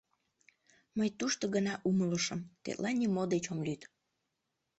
Мый тушто гына умылышым: тетла нимо деч ом лӱд.